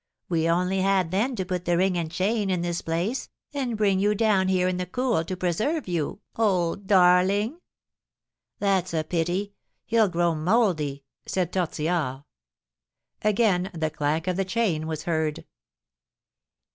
We only had then to put the ring and chain in this place, and bring you down here in the cool to preserve you, old darling." "That's a pity! He'll grow mouldy," said Tortillard. Again the clank of the chain was heard.